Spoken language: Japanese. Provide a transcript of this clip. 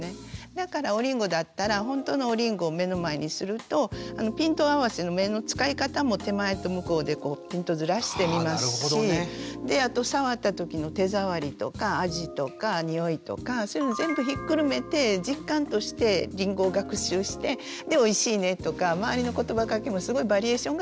だからおりんごだったら本当のおりんごを目の前にするとピント合わせの目の使い方も手前と向こうでピントずらして見ますしであと触った時の手触りとか味とかにおいとかそういうの全部ひっくるめて実感としてりんごを学習してでおいしいねとか周りのことばがけもすごいバリエーションがあるんですよね。